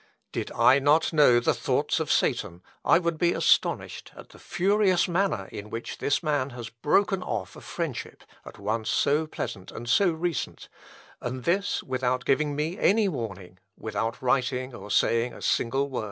Did I not know the thoughts of Satan, I would be astonished at the furious manner in which this man has broken off a friendship at once so pleasant and so recent; and this without giving me any warning without writing or saying a single word."